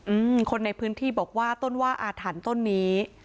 อืมคนในพื้นที่บอกว่าต้นว่าอาถรรพ์ต้นนี้